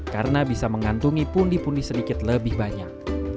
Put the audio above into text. karena bisa mengantungi pundi pundi sedikit lebih banyak